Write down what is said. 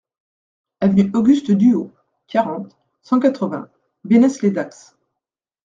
Avenue Auguste Duhau, quarante, cent quatre-vingts Bénesse-lès-Dax